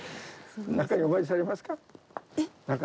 中でお参りされますか？